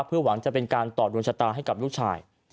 หลังจะเป็นการตอบดวงชะตาให้กับลูกชาย